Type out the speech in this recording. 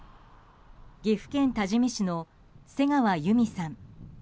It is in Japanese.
岐阜県多治見市の瀬川由美さん。